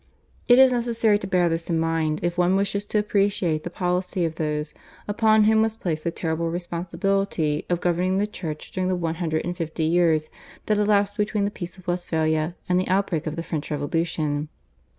It is necessary to bear this in mind if one wishes to appreciate the policy of those, upon whom was placed the terrible responsibility of governing the Church during the one hundred and fifty years that elapsed between the Peace of Westphalia and the outbreak of the French Revolution.